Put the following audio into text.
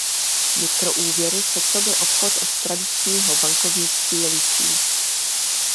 Mikroúvěry se coby obchod od tradičního bankovnictví liší.